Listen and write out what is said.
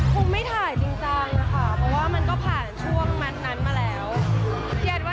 คงไม่ถ่ายจริงจังค่ะเพราะว่ามันก็ผ่านช่วงแมทนั้นมาแล้ว